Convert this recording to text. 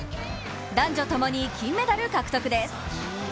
男女ともに金メダル獲得。